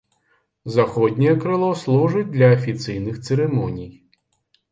Заходняе крыло служыць для афіцыйных цырымоній.